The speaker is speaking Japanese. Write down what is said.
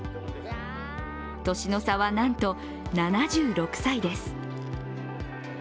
年の差はなんと、７６歳です。